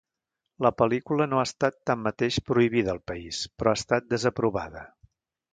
La pel·lícula no ha estat tanmateix prohibida al país però ha estat desaprovada.